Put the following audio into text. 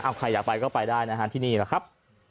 ใครอยากไปก็ไปได้นะฮะที่นี่แหละครับ